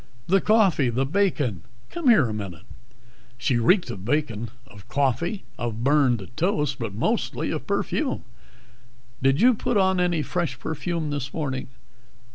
"The coffee, the bacon come here a minute." She reeked of bacon, of coffee, of burned toast, but mostly of perfume. "Did you put on any fresh perfume this morning?"